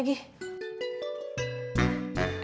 gak usah nanya